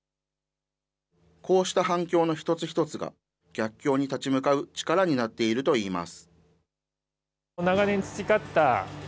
こうした反響の一つ一つが、逆境に立ち向かう力になっているといいます。